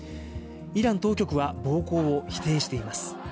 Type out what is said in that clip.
イラン当局は、暴行を否定しています。